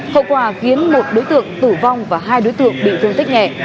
khẩu quả khiến một đối tượng tử vong và hai đối tượng bị thương tích nghẹ